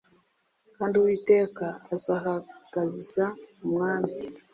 kandi Uwiteka azahagabiza umwami”